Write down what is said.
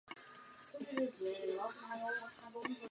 沃达丰